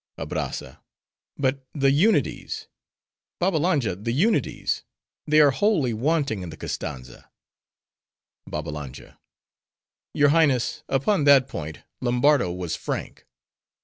ABRAZZA—But the unities; Babbalanja, the unities! they are wholly wanting in the Koztanza. BABBALANJA—Your Highness; upon that point, Lombardo was frank.